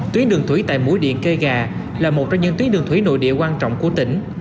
tuyến đường thủy tại mũi điện kê gà là một trong những tuyến đường thủy nội địa quan trọng của tỉnh